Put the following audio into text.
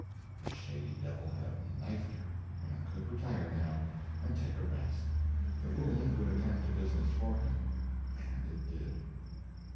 The shady devil had knifed her, and could retire, now, and take a rest; the wound would attend to business for him. And it did.